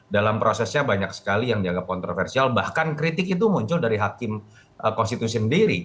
dalam prosesnya banyak sekali yang dianggap kontroversial bahkan kritik itu muncul dari hakim konstitusi sendiri